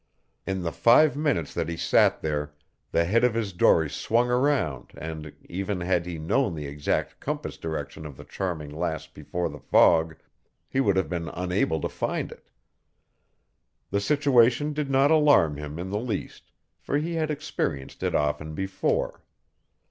In the five minutes that he sat there the head of his dory swung around and, even had he known the exact compass direction of the Charming Lass before the fog, he would have been unable to find it. The situation did not alarm him in the least, for he had experienced it often before.